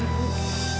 selamat siang ibu